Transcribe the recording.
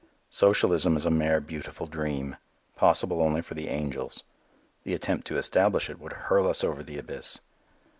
Socialism is a mere beautiful dream, possible only for the angels. The attempt to establish it would hurl us over the abyss.